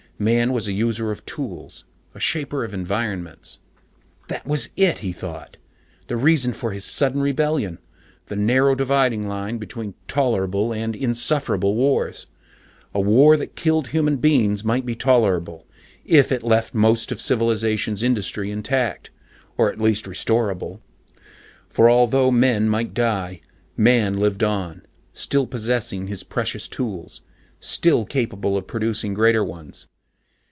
Man was a user of tools, a shaper of environments. That was it, he thought. The reason for his sudden rebellion, the narrow dividing line between tolerable and insufferable wars. A war that killed human beings might be tolerable, if it left most of civilizations' industry intact, or at least restorable, for although men might die, Man lived on, still possessing his precious tools, still capable of producing greater ones.